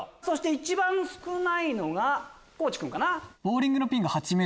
一番少ないのが地君かな。